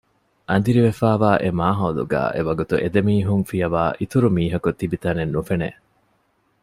އަނދިރިވެފައިވާ އެ މާހައުލުގައި އެވަގުތު އެދެމީހުން ފިޔަވާ އިތުރު މީހަކު ތިބިތަނެއް ނުފެނެ